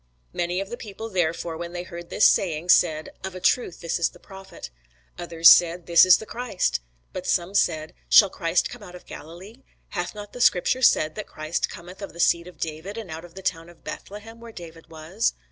Many of the people therefore, when they heard this saying, said, Of a truth this is the Prophet. Others said, This is the Christ. But some said, Shall Christ come out of Galilee? Hath not the scripture said that Christ cometh of the seed of David, and out of the town of Bethlehem, where David was?